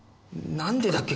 なんでだっけ？